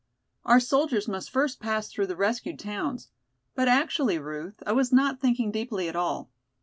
"Our soldiers must first pass through the rescued towns. But actually, Ruth, I was not thinking deeply at all.